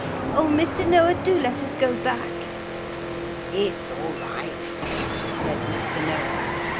Oh, Mr. Noah! do let us go back.' 'It's all right,' said Mr. Noah.